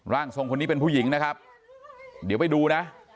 ร่างทรงคนนี้เป็นผู้หญิงนะครับเดี๋ยวไปดูนะ